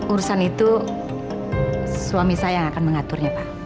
urusan itu suami saya yang akan mengaturnya pak